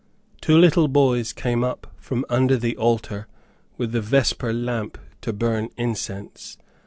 Two little boys came up from under the altar, with the vesper lamp to burn incense.